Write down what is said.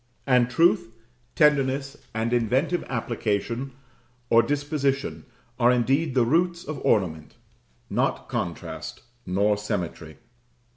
And truth, tenderness, and inventive application or disposition are indeed the roots of ornament not contrast, nor symmetry.